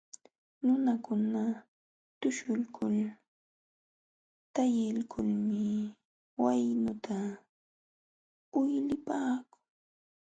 Nunakuna tuśhuykul takiykulmi waynuta uylipaakun.